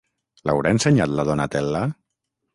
L'haurà ensenyat la Donatella?